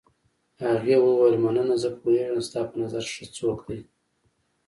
هغې وویل: مننه، زه پوهېږم ستا په نظر ښه څوک دی.